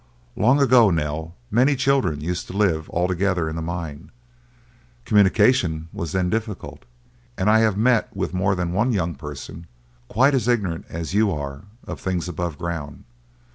"Long ago, Nell, many children used to live altogether in the mine; communication was then difficult, and I have met with more than one young person, quite as ignorant as you are of things above ground.